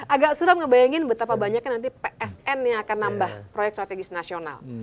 agak surah ngebayangin betapa banyaknya nanti psn yang akan nambah proyek strategis nasional